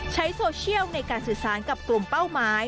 ใช้โซเชียลในการสื่อสารกับกลุ่มเป้าหมาย